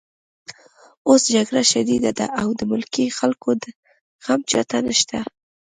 اوس جګړه شدیده ده او د ملکي خلکو غم چاته نشته